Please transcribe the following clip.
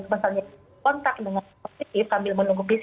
misalnya kontak dengan positif sambil menunggu pcr